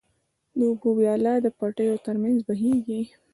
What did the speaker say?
د اوبو وياله د پټيو تر منځ بهيږي.